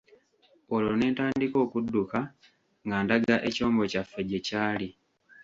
Olwo ne ntandika okudduka nga ndaga ekyombo kyaffe gye kyali.